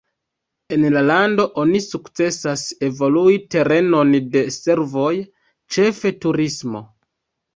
En la lando oni sukcesas evolui terenon de servoj, ĉefe turismo.